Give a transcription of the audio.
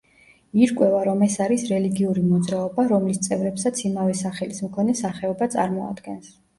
ირკვევა, რომ ეს არის რელიგიური მოძრაობა, რომლის წევრებსაც იმავე სახელის მქონე სახეობა წარმოადგენს.